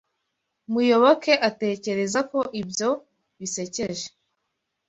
Muyoboke atekereza ko ibyo bisekeje.